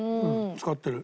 使ってる？